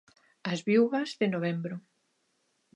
'As viúvas de novembro'.